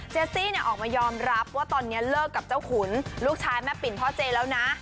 ซี่ออกมายอมรับว่าตอนนี้เลิกกับเจ้าขุนลูกชายแม่ปิ่นพ่อเจแล้วนะ